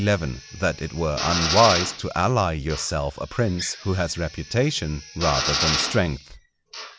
—_That it were unwise to ally yourself a Prince who has Reputation rather than Strength.